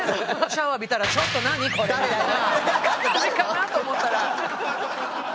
シャワー浴びたら誰かなと思ったら。